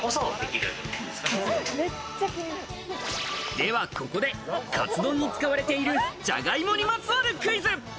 ではここで、カツ丼に使われている、じゃがいもにまつわるクイズ。